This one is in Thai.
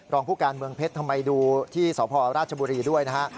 ผู้การเมืองเพชรทำไมดูที่สพราชบุรีด้วยนะฮะ